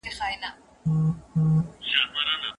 دوی وویل چې ټولنه د یوه ژوندي موجود په څېر ده.